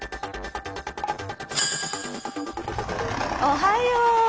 おはよう。